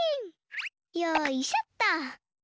よいしょっと！